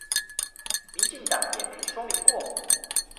民進黨也沒說明過？